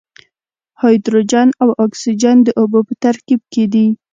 هایدروجن او اکسیجن د اوبو په ترکیب کې دي.